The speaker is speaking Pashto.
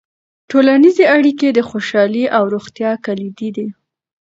ټولنیزې اړیکې د خوشحالۍ او روغتیا کلیدي دي.